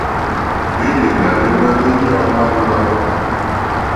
Hwélèlà hwémá hwéɲɔ́ǃɔ́ mâléwá.